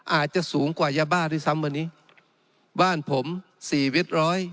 อาจจะสูงกว่ายาบ้าที่ซ้ำวันนี้บ้านผม๔๐๐เวต